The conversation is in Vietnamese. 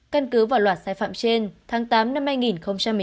căn cứ vào loạt sai phạm trên tháng tám năm hai nghìn một mươi chín